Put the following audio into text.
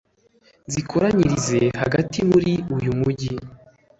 nzikoranyirize hagati muri uyu mugi